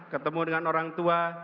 ketemu dengan orang tua